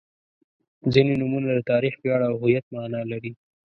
• ځینې نومونه د تاریخ، ویاړ او هویت معنا لري.